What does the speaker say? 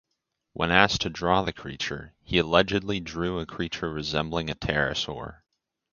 When asked to draw the creature, he allegedly drew a creature resembling a pterosaur.